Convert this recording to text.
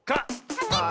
かけた！